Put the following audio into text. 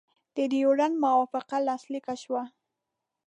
د ډیورنډ موافقه لاسلیک شوه.